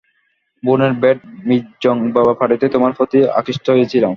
বোনের bat mitzvah পার্টিতে তোমার প্রতি আকৃষ্ট হয়েছিলাম।